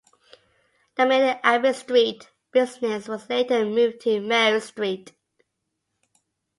The Middle Abbey Street business was later moved to Mary Street.